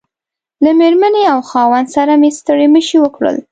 له مېرمنې او خاوند سره مې ستړي مشي وکړل.